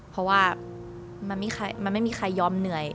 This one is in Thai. เพราะว่ามันไม่มีใครยอมเหนื่อย